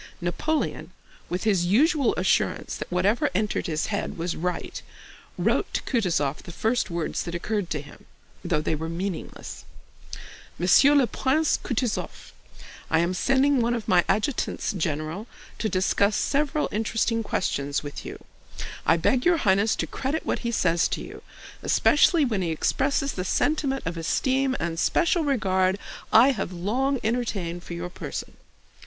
Napoleon, with his usual assurance that whatever entered his head was right, wrote to Kutúzov the first words that occurred to him, though they were meaningless. MONSIEUR LE PRINCE KOUTOUZOV: I am sending one of my adjutants general to discuss several interesting questions with you. I beg your Highness to credit what he says to you, especially when he expresses the sentiment of esteem and special regard I have long entertained for your person.